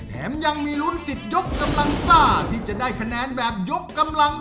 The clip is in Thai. แถมยังมีลุ้นสิทธิ์ยกกำลังซ่าที่จะได้คะแนนแบบยกกำลัง